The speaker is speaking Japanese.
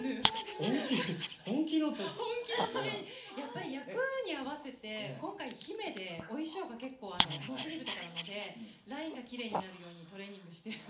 やっぱり役に合わせて今回姫でお衣装がノースリーブとかなのでラインがきれいになるようにトレーニングしてる。